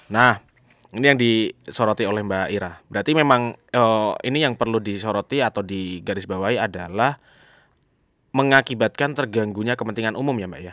nah ini yang disoroti oleh mbak ira berarti memang ini yang perlu disoroti atau digarisbawahi adalah mengakibatkan terganggunya kepentingan umum ya mbak ya